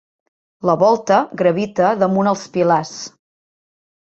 La volta gravita damunt els pilars.